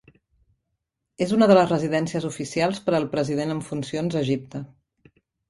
És una de les residències oficials per al president en funcions a Egipte.